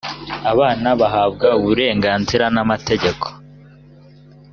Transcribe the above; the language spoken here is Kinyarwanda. abana bahabwa uburenganzira n’amategeko